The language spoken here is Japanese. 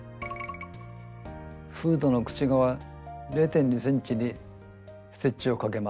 フードの口側０．２ｃｍにステッチをかけます。